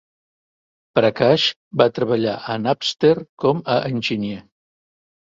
Prakash va treballar a Napster com a enginyer.